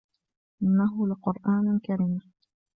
إِنَّهُ لَقُرْآنٌ كَرِيمٌ